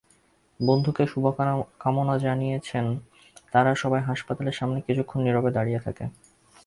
বন্ধুকে শুভকামনা জানিয়েছেন তাঁরা সবাই হাসপাতালের সামনে কিছুক্ষণ নীরবে দাঁড়িয়ে থেকে।